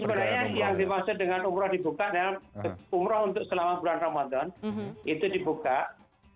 jadi sebenarnya yang dimaksud dengan umrah dibuka umrah untuk selama bulan ramadan itu dibuka